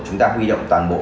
chúng ta huy động toàn bộ